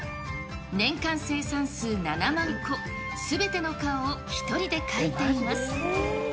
年間生産数７万個、すべての顔を１人で描いています。